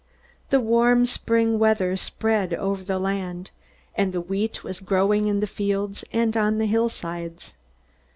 The warm spring weather spread over the land, and the wheat was growing in the fields and on the hillsides.